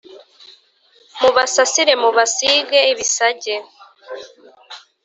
mubasasire mubasiga ibisage